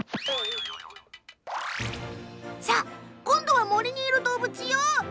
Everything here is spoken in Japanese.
さあ、今度は森にいる動物よ。